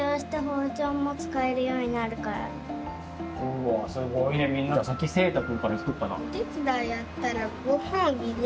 うわすごいねみんな先せいたくんから聞こっかな。